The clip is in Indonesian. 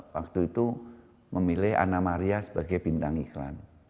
waktu itu memilih anna maria sebagai bintang iklan